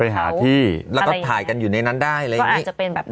ไปหาที่แล้วก็ถ่ายกันอยู่ในนั้นได้มันก็อาจจะเป็นแบบนั้น